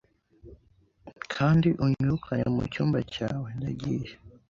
Kandi unyirukane mucyumba cyawe ndagiye